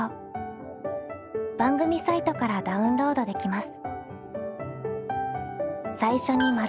番組サイトからダウンロードできます。